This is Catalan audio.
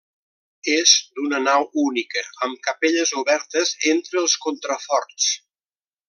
És d'una nau única amb capelles obertes entre els contraforts.